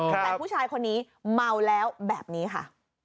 แต่ผู้ชายคนนี้เมาแล้วแบบนี้ค่ะ